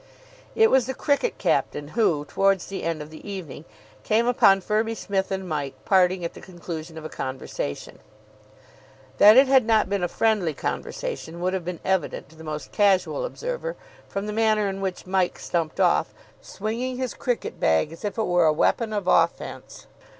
It was the cricket captain who, towards the end of the evening, came upon Firby Smith and Mike parting at the conclusion of a conversation. That it had not been a friendly conversation would have been evident to the most casual observer from the manner in which Mike stumped off, swinging his cricket bag as if it were a weapon of offence.